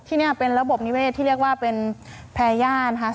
ที่นี่เป็นระบบนิเวศที่เรียกว่าเป็นแพรย่านนะคะ